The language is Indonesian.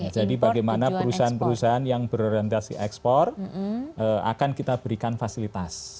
bagaimana perusahaan perusahaan yang berorientasi ekspor akan kita berikan fasilitas